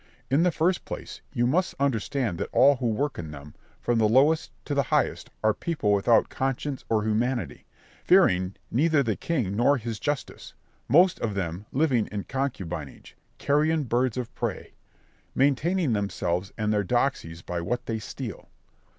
In the first place, you must understand that all who work in them, from the lowest to the highest, are people without conscience or humanity, fearing neither the king nor his justice; most of them living in concubinage; carrion birds of prey; maintaining themselves and their doxies by what they steal.